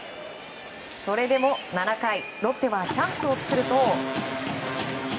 それでも７回ロッテはチャンスを作ると。